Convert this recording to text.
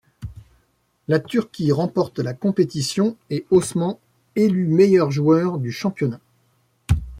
La Turquie remporte la compétition et Osman élu meilleur joueur du championnat.